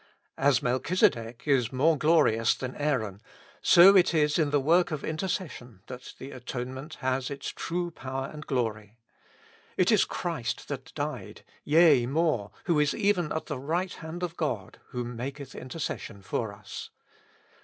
As Mel chizedek is more glorious than Aaron, so it is in the work of intercession that the atonement has its true power and glory. " It is Christ that died : yea, more, who is even at the right hand of God, who maketh intercession for us."